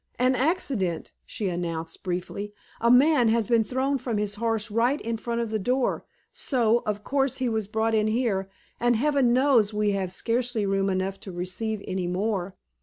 "An accident!" she announced briefly. "A man has been thrown from his horse right in front of the door; so, of course, he was brought in here, and Heaven knows we have scarcely room enough to receive any more.